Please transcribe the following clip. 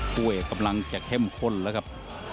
กล้วยกำลังจะเข้มข้นแล้วครับ